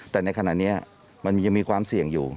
แต่ในขณะนี้มันยังมีความเสี่ยงอยู่